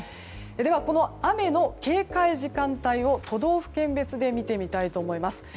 では、この雨の警戒時間帯を都道府県別で見てみたいと思います。